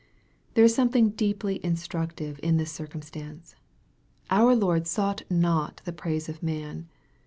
There is something deeply instructive in this circum stance. Our Lord sought not the praise of man.